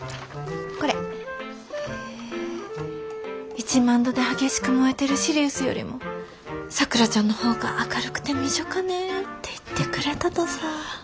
１万度で激しく燃えてるシリウスよりもさくらちゃんの方が明るくてみじょかねって言ってくれたとさぁ。